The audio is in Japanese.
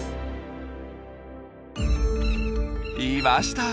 いました！